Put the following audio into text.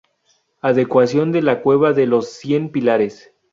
Adecuación de la Cueva de los Cien Pilares